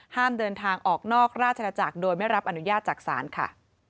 ห้ามเดินทางออกนอกราชนาจักรโดยไม่รับอนุญาตจากศาลค่ะ